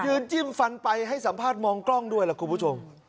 จิ้มฟันไปให้สัมภาษณ์มองกล้องด้วยล่ะคุณผู้ชม